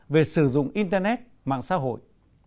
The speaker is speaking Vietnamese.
về sử dụng internet mạng xã hội